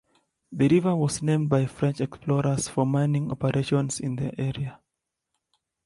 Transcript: The river was named by French explorers for mining operations in the area.